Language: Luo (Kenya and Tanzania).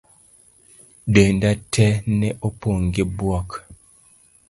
Denda tee ne opong' gi buok.